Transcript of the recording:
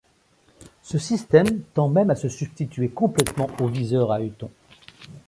Ce système tend même à se substituer complètement au viseur à œilleton.